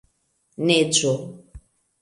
neĝo